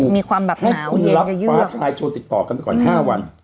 มีความแบบหนาวเย็นกับเยือกให้คุณรับฟ้าทะลายโจรติดต่อกันไปก่อนห้าวัน